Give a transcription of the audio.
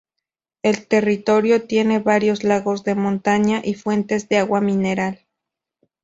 El territorio tiene varios lagos de montaña y fuentes de agua mineral.